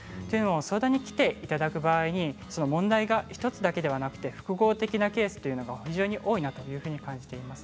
相談に来ていただく場合に問題が１つだけではなく複合的なケースというのが非常に多いなと感じています。